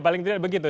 paling tidak begitu